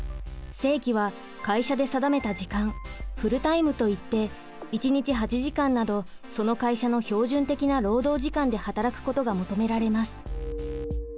正規は会社で定めた時間フルタイムといって一日８時間などその会社の標準的な労働時間で働くことが求められます。